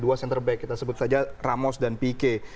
dua center back kita sebut saja ramos dan pique